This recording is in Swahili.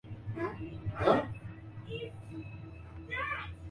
sababu hiyo haitaonyesha kama kundi linalolengwa linatosha